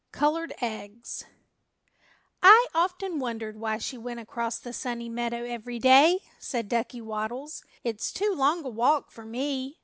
COLORED EGGS "I OFTEN wondered why she went across the Sunny Meadow every day," said Ducky Waddles. "It's too long a walk for me!"